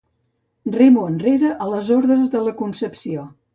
Remo enrere a les ordres de la Concepció.